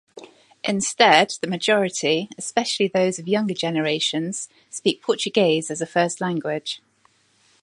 Instead the majority, especially those of younger generations, speak Portuguese as a first language.